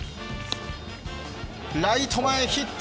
ライト前ヒット。